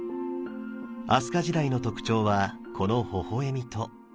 飛鳥時代の特徴はこのほほ笑みと。